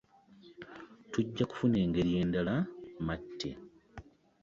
Tujja kufuna engeri endala matte.